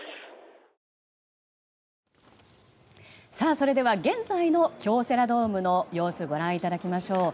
それでは現在の京セラドームの様子をご覧いただきましょう。